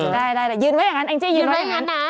ได้แต่ยืนไว้อย่างนั้นแองจี้ยืนไว้อย่างนั้นนะ